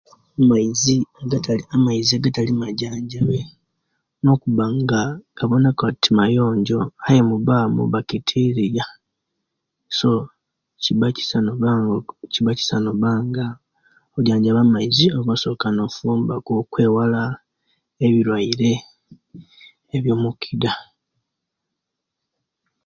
Maizi egatali amaizi agatali nga maijanjabye nokuba nga gabwoneka nga oti mayonjo aye nga mubamu bacteriya so kibakisa no kibabakisa nobanga oijanjabiya oba osoka nogafumba okwewala ebiruiare ebyomukida